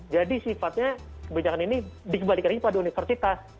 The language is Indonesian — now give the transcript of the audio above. jadi sifatnya kebijakan ini dikembalikan pada universitas